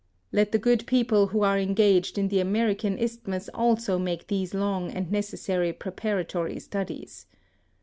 Let the good people who are engaged in the American isthmus also make these long and necessary preparatory studies.